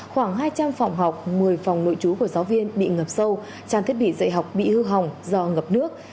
khoảng hai trăm linh phòng học một mươi phòng nội trú của giáo viên bị ngập sâu trang thiết bị dạy học bị hư hỏng do ngập nước